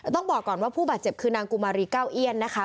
ต้องบอกก่อนว่าผู้บาดเจ็บคือนางกุมารีเก้าเอี้ยนนะคะ